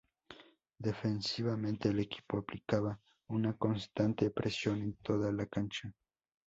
Defensivamente, el equipo aplicaba una constante presión en toda la cancha.